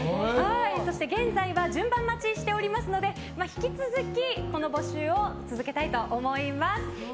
そして現在は順番待ちしておりますので引き続きこの募集を続けたいと思います。